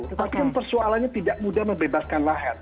tetapi persoalannya tidak mudah membebaskan lahir